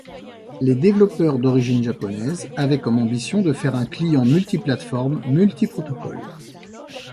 Les developpeurs d'origine japonaise avaient comme ambition de faire un client multi-plateforme, multi-protocole.